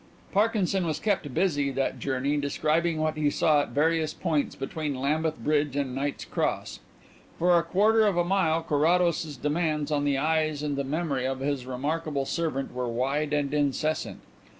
Parkinson was kept busy that journey describing what he saw at various points between Lambeth Bridge and Knight's Cross. For a quarter of a mile Carrados's demands on the eyes and the memory of his remarkable servant were wide and incessant.